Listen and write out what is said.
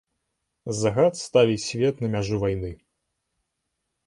Загад ставіць свет на мяжу вайны.